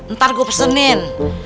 ntar gua pesenin